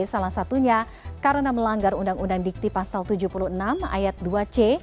salah satunya karena melanggar undang undang dikti pasal tujuh puluh enam ayat dua c